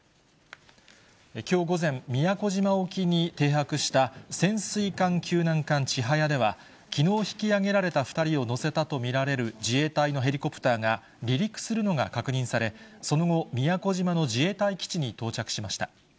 きょう午前、宮古島沖に停泊した潜水艦救難艦ちはやでは、きのう引きあげられた２人を乗せたと見られる自衛隊のヘリコプターが離陸するのが確認され、その後、宮古島の自衛隊基地に到着しました。